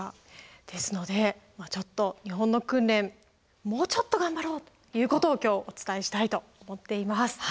ですのでちょっと日本の訓練もうちょっと頑張ろうということを今日お伝えしたいと思っています。